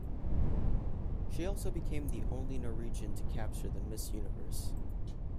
She also became the only Norwegian to capture the Miss Universe.